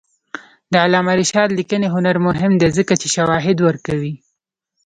د علامه رشاد لیکنی هنر مهم دی ځکه چې شواهد ورکوي.